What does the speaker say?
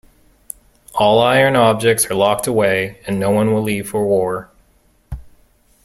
All iron objects are locked away, and no one will leave for war.